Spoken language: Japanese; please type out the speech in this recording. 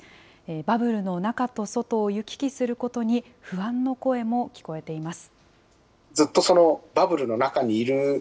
バブルの中と外を行き来することに、不安の声も聞こえています。